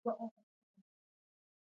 زردالو د افغانانو ژوند اغېزمن کوي.